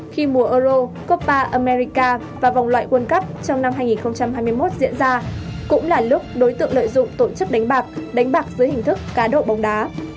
khi mùa euro coppa america và vòng loại world cup trong năm hai nghìn hai mươi một diễn ra cũng là lúc đối tượng lợi dụng tổ chức đánh bạc đánh bạc dưới hình thức cá độ bóng đá